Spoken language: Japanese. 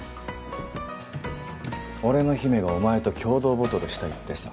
俺の姫がお前と共同ボトルしたいってさ。